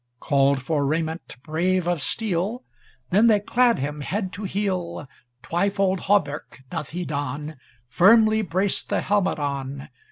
Called for raiment brave of steel, Then they clad him, head to heel, Twyfold hauberk doth he don, Firmly braced the helmet on.